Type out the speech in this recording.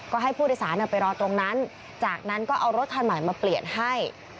ก็ให้ผู้โดยสารไปรอตรงนั้นจากนั้นก็เอารถคันใหม่มาเปลี่ยนให้